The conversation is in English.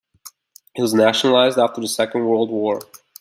It was nationalised after the Second World War.